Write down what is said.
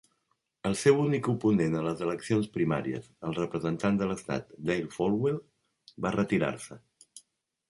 El seu únic oponent a les eleccions primàries, el representant de l'Estat, Dale Folwell, va retirar-se.